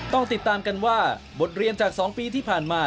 ต้องติดตามกันว่าบทเรียนจาก๒ปีที่ผ่านมา